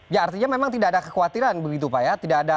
ya artinya memang tidak ada kekhawatiran begitu pak ya